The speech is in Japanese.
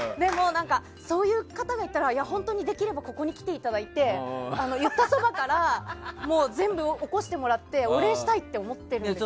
そういう方がいたら、本当にできればここに来ていただいて言ったそばから全部、起こしてもらってお礼したいって思ってるんですよ。